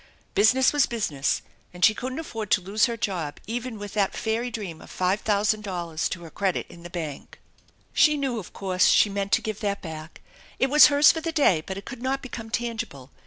Business was business and she couldn't afford to lose her job even with that fairy dream of five thousand to her credit in the bank. She knew, of course, she meant to give that back. It was hers for the day, but it could not become tangible.